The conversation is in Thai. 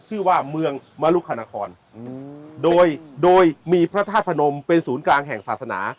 ชื่อว่าเมืองมรุคณครโดยโดยมีพระธาตุพนมเป็นศูนย์กลางแห่งศาสนา